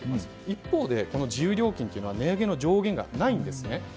一方で、自由料金というのは値上げの上限がないんです。